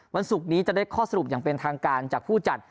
วันศุกร์นี้จะได้ข้อสรุปอย่างเป็นทางการจากผู้จัด